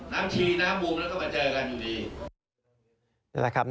น้ำชีน้ำบูมมาเจอกันอยู่ดี